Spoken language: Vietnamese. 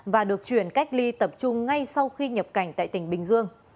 và được chuyển cách ly tập trung ngay sau khi nhập cảnh tại tỉnh bình dương